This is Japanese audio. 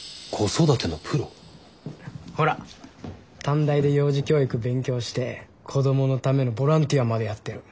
ほら短大で幼児教育勉強して子どものためのボランティアまでやってる。